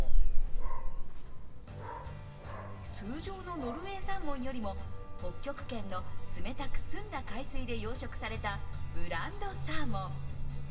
通常のノルウェーサーモンよりも、北極圏の冷たく澄んだ海水で養殖されたブランドサーモン。